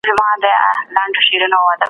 بې اندازې کار ځان زیانمنوي.